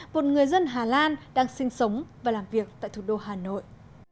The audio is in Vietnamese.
một người dân hà lan đang sinh sống và làm việc tại thủ đô hà nội